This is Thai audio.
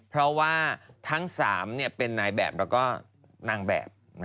เพราะว่าทั้ง๓เป็นนายแบบแล้วก็นางแบบ